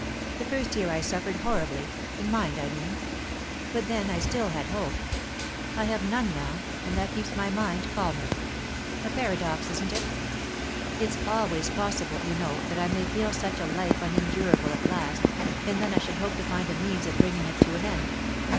The first year I suffered horribly in mind, I mean. But then I still had hope. I have none now, and that keeps my mind calmer. A paradox, isn't it? It's always possible, you know, that I may feel such a life unendurable at last, and then I should hope to find a means of bringing it to an end.